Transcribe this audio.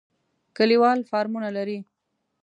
کلیوال فارمونه لري.